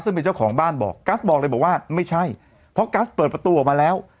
ซึ่งเป็นเจ้าของบ้านบอกกัสบอกเลยบอกว่าไม่ใช่เพราะกัสเปิดประตูออกมาแล้ว